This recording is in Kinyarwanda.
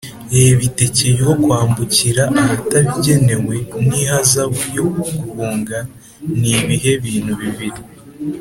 Reb itike ryo kwambukira ahatabigenewe n ihazabu yo guhunga ni ibihe bintu bibiri